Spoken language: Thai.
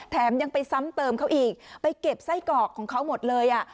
แถมยังไปซ้ำเติมเขาอีกไปเก็บไส้กรอกของเขาหมดเลยอ่ะ